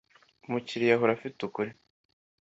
umukiriya ahora afite ukuri